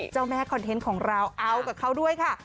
เจ้าแม่คอนเทนต์ของเราเอากับเขาด้วยค่ะ